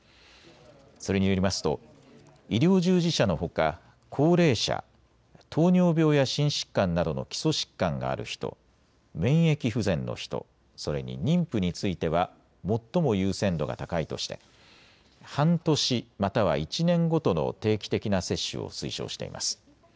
それによりますと医療従事者のほか高齢者、糖尿病や心疾患などの基礎疾患がある人、免疫不全の人、それに妊婦については最も優先度が高いとして半年または１年ごとの定期的な接種を推奨しています。